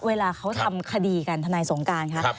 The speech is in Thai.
เวลาเขาทำคดีกันทนายสงการคะ